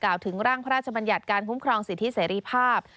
ถึงร่างพระราชบัญญัติการคุ้มครองสิทธิเสรีภาพ